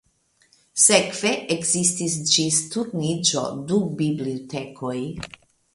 Sekve ekzistis ĝis Turniĝo du bibliotekoj.